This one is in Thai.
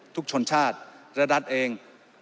ชนชาติและรัฐเอง